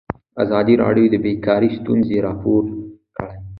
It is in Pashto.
ازادي راډیو د بیکاري ستونزې راپور کړي.